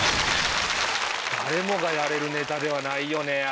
誰もがやれるネタではないよね